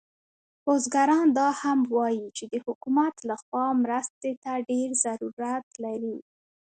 بزګران دا هم وایي چې د حکومت له خوا مرستې ته ډیر ضرورت لري